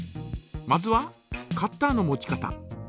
まずはカッターの持ち方。